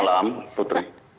selamat malam putri